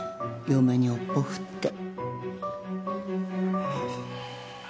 嫁に尾っぽ振って。